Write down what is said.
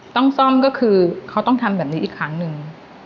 ต้องซ่อมก็คือเขาต้องทำแบบนี้อีกครั้งหนึ่ง